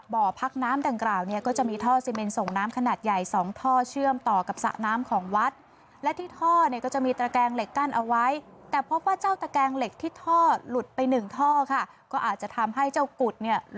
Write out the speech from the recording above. บ่อพักน้ำดังกล่าวเนี่ยก็จะมีท่อซีเมนส่งน้ำขนาดใหญ่